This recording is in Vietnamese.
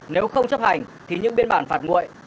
nếu không chấp hành thì những biên bản phạt nguội